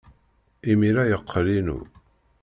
Imir-a, yeqqel inu.